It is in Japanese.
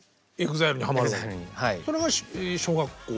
それが小学校？